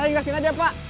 saya ngasihin aja pak